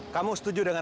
kamu setuju dengan